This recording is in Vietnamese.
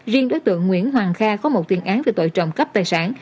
riêng đối tượng nguyễn hoàng kha có một thiên án về tội trồng cấp tài sản